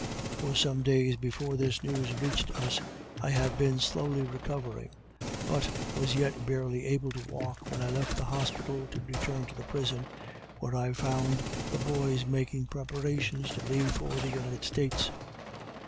For some days before this news reached us I had been slowly recovering, but was yet barely able to walk when I left the hospital to return to the prison, where I found the boys making preparations to leave for the United States.